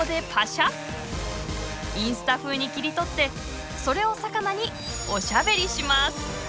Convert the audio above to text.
インスタ風に切り取ってそれをさかなにおしゃべりします。